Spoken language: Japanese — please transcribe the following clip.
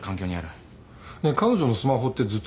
ねえ彼女のスマホってずっと病院に？